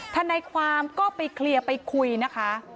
ทนายความก็ไปเคลียร์ไปคุยนะคะ